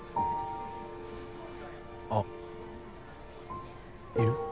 あっいる？